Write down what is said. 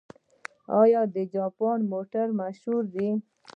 آیا د جاپان موټرې مشهورې دي؟